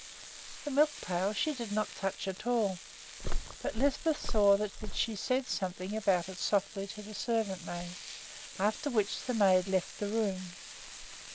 The milk pail she did not touch at all; but Lisbeth saw that she said something about it softly to the servant maid, after which the maid left the room.